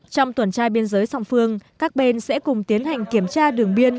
trong tuần trai biên giới song phương các bên sẽ cùng tiến hành kiểm tra đường biên